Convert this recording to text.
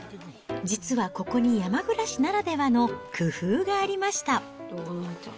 実はここに、山暮らしならではの工夫がありました。